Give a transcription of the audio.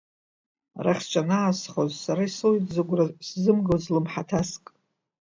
Арахь сҿанаасхоз сара исоуит зыгәра сзымгоз лымҳаҭаск…